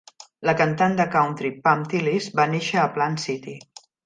La cantant de country Pam Tillis va néixer a Plant City.